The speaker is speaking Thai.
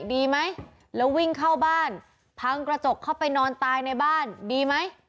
ดีไหมแล้ววิ่งเข้าบ้านพังกระจกเข้าไปนอนตายในบ้านดีไหม